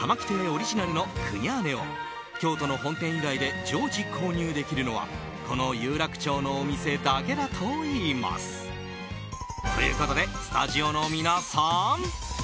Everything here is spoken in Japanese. オリジナルのクニャーネを京都の本店以外で常時購入できるのはこの有楽町のお店だけだといいます。ということでスタジオの皆さん